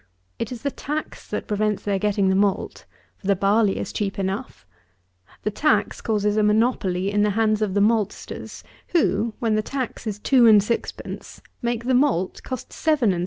It is the tax that prevents their getting the malt; for, the barley is cheap enough. The tax causes a monopoly in the hands of the maltsters, who, when the tax is two and sixpence, make the malt, cost 7_s._ 6_d.